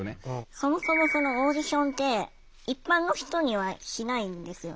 そもそもそのオーディションって一般の人にはしないんですよね？